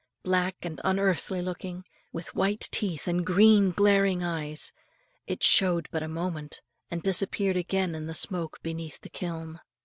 black and unearthly looking, with white teeth and green glaring eyes; it showed but a moment, and disappeared again in the smoke beneath the kiln.